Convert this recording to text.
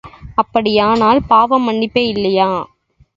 அப்படியானால் பாவமன்னிப்பே இல்லையா?